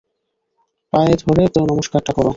পায়ে ধরে তো নমস্কারটা কর।